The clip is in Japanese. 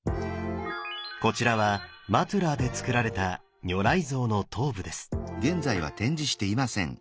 こちらはマトゥラーでつくられた如来像の頭部です。